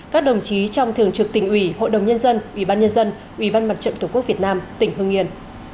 các đồng chí trong thường trực tỉnh ủy hội đồng nhân dân ủy ban nhân dân ủy ban mặt trận tổ quốc việt nam tỉnh hưng yên